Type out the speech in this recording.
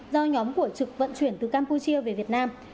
do nhóm của trực vận chuyển từ campuchia về việt nam